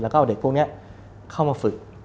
แล้วก็เอาเด็กพวกนี้เข้ามาฝึก